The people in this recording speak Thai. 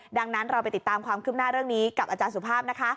ดังนั้นเราไปติดตามความคืบหน้าเรื่องนี้กับอาจารย์สุภาพนะคะ